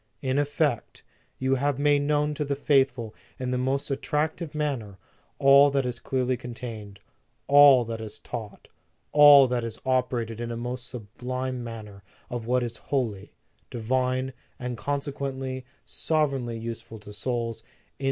In effect, you have made known to the faithful in the most attrac tive manner, all that is clearly contained, all that is taught, all that is operated in a most sublime manner of what is holy, divine, and consequently, sovereignly useful to souls in Preface to the Second Edition.